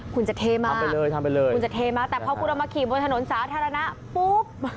คุณจะเท่มากคุณจะเท่มากแต่พวกเรามาขี่บนถนนสาธารณะปุ๊บ